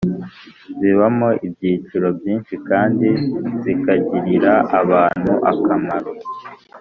zibamo ibyiciro byinshi kandi zikagirira abantu akamaro.